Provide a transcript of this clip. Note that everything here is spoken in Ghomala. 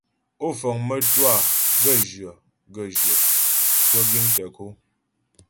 Ó fəŋ mə́twâ gaə́jyə gaə́jyə cwə giŋ tə ko.